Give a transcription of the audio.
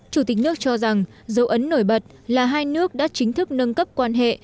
chủ tịch nước cho rằng dấu ấn nổi bật là hai nước đã chính thức nâng cấp quan hệ